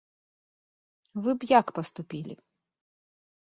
Вы б як паступілі?